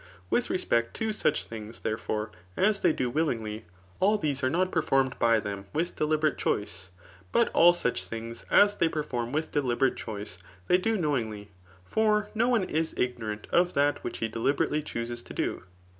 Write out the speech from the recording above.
With respect to such things, therefore, as thef do wiilin^y, all these are not per* 40 nu A&T OS ^ BOOK U fgnned by them \nth deliberate choice ; but all such things as they perform with detibenH* choioe, they do knowingly. For no one is ignorant of that which he deliberately chuses to do.